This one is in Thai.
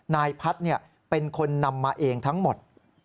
นายพัฒน์เป็นคนนำมาเองทั้งหมด